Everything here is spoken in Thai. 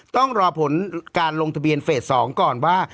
ต้องรอผลการลงทะเบียนเฟส๒ก่อนว่า